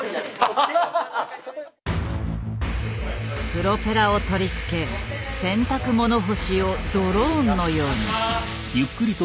プロペラを取り付け洗濯物干しをドローンのように。